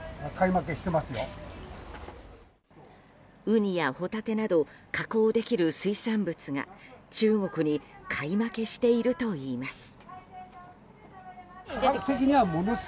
ウニやホタテなど加工できる水産物が中国に買い負けしているといいます。